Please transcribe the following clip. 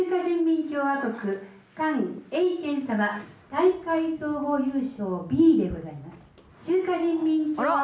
大会総合優勝Ｂでございます。